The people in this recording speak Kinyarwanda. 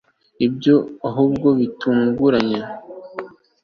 ibyo ahubwo bitunguranye